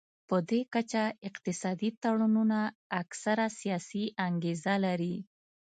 پدې کچه اقتصادي تړونونه اکثره سیاسي انګیزه لري